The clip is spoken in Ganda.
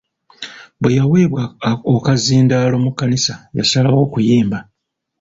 Bwe yaweebwa okazindaalo mu kkanisa, yasalawo okuyimba.